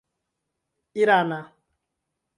irana